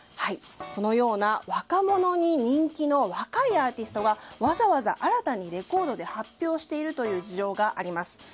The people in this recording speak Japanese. このような若者に人気の若いアーティストがわざわざ新たにレコードで発表しているという事情があります。